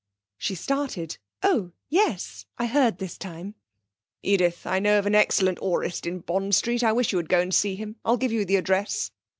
She started. 'Oh yes! I heard this time.' 'Edith, I know of an excellent aurist in Bond Street. I wish you'd go and see him. I'll give you the address.'